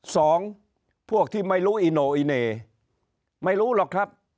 พวกที่ไม่รู้อีโนอิเน่ไม่รู้หรอกครับ